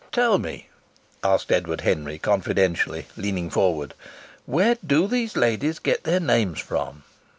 "Tell me," asked Edward Henry, confidentially, leaning forward, "where do those ladies get their names from?"